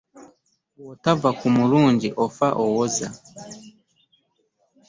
Bwotava ku mulunji ofa owoza .